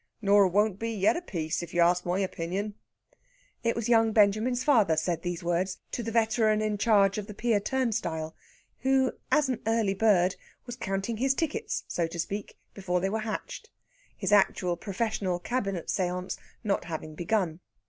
Nor won't be yet a piece, if you ask my opinion." It was young Benjamin's father said these words to the veteran in charge of the pier turnstile; who, as an early bird, was counting his tickets, so to speak, before they were hatched his actual professional cabinet séance not having begun.